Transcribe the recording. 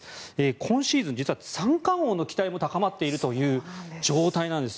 今シーズン、実は三冠王の期待も高まっているという状態なんです。